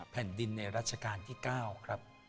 แผ่นดินในรัชกาลที่๙ครับ